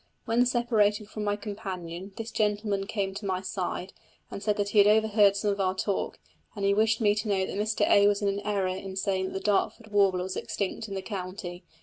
When I separated from my companion this gentleman came to my side, and said that he had overheard some of our talk, and he wished me to know that Mr A. was in error in saying that the Dartford warbler was extinct in the county.